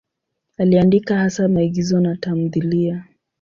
Aliandika hasa maigizo na tamthiliya.